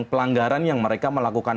pelanggaran yang mereka melakukan